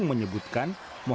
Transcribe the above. endara jawa tenggul